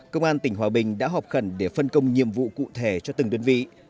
công an tỉnh hòa bình đã họp khẩn để phân công nhiệm vụ cụ thể cho từng đơn vị